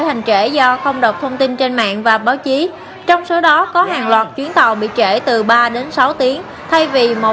hẹn gặp lại các bạn trong những video tiếp theo